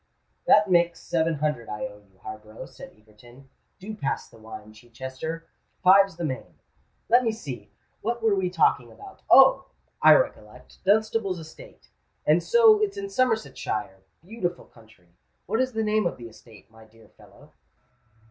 "That makes seven hundred I owe you, Harborough," said Egerton. "Do pass the wine, Chichester. Five's the main. Let me see—what were we talking about? Oh! I recollect—Dunstable's estate. And so it's in Somersetshire? Beautiful county! What is the name of the estate, my dear fellow?"